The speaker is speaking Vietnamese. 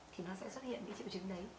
thì nó sẽ xuất hiện những triệu chứng đấy